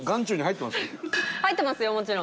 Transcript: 入ってますよもちろん。